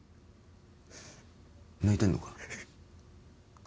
泣いてんのか？